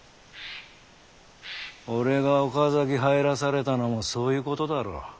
俺が岡崎入らされたのもそういうことだろう。